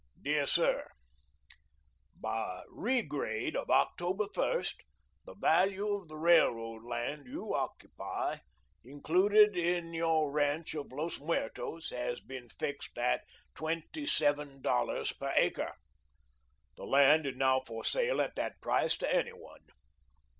Dear Sir: By regrade of October 1st, the value of the railroad land you occupy, included in your ranch of Los Muertos, has been fixed at $27.00 per acre. The land is now for sale at that price to any one.